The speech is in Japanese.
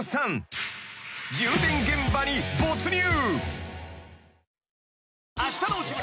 ［充電現場に没入］